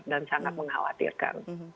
dan sangat mengkhawatirkan